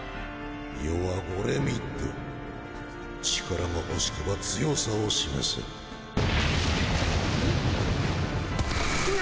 余はゴレミッド力が欲しくば強さを示せえ？